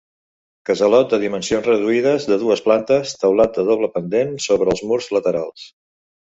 Casalot de dimensions reduïdes, de dues plantes; teulat de doble pendent sobre els murs laterals.